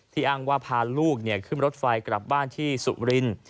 อ้างว่าพาลูกขึ้นรถไฟกลับบ้านที่สุมรินทร์